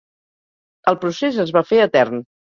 El procés es va fer etern.